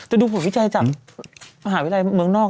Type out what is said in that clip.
แต่ดูผลวิจัยจากอาหารเวลาเมืองนอก